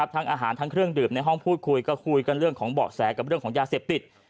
ทั้งอาหารทั้งเครื่องดื่มในห้องพูดคุยก็คุยกันเรื่องของเบาะแสกับเรื่องของยาเสพติด